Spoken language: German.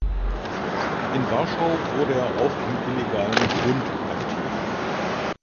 In Warschau wurde er auch im illegalen "Bund" aktiv.